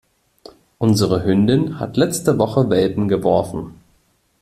Unsere Hündin hat letzte Woche Welpen geworfen.